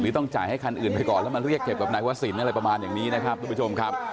ต้องจ่ายให้คันอื่นไปก่อนแล้วมาเรียกเก็บกับนายวศิลป์อะไรประมาณอย่างนี้นะครับทุกผู้ชมครับ